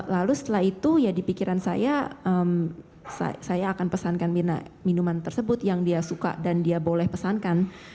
lalu setelah itu ya di pikiran saya saya akan pesankan mirna minuman tersebut yang dia suka dan dia boleh pesankan